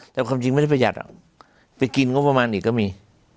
แต่ความจริงไม่ได้ประหยัดไปกินงบประมาณอีกก็มี